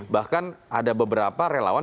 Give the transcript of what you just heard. bahkan ada beberapa relawan